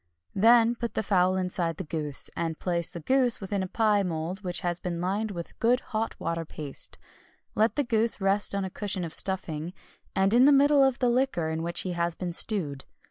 Then put the fowl inside the goose, and place the goose within a pie mould which has been lined with good hot water paste. Let the goose rest on a cushion of stuffing, and in the middle of the liquor in which he has been stewed.